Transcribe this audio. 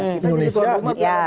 kita jadi tuan rumah